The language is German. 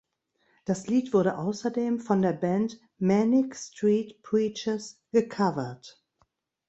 Das Lied wurde außerdem von der Band Manic Street Preachers gecovert.